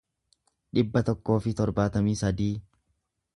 dhibba tokkoo fi torbaatamii sadii